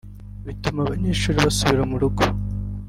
bituma abanyeshuri basubira mu rugo